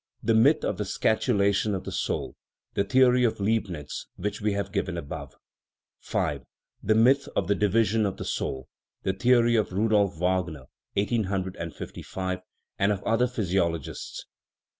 The myth of the scatulation of the soul (the the ory of Leibnitz which we have given above). V. The myth of the division of the soul (the theory of Rudolph Wagner and of other physiologists).